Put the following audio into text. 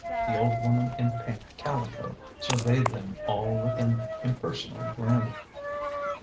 The old woman in pink calico surveyed them all with an impersonal grin.